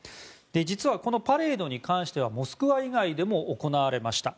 実は、このパレードに関してはモスクワ以外でも行われました。